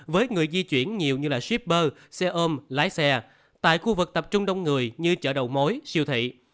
với người di chuyển nhiều như là shipper xe ôm lái xe tại khu vực tập trung đông người như chợ đầu mối siêu thị